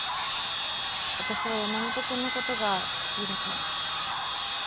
私は山本君のことが好きだから。